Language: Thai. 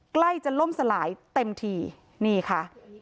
ใกล้จะล่มสลายเต็มทีนี่ค่ะ